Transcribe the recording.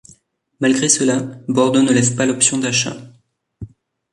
Malgré cela, Bordeaux ne lève pas l'option d'achat.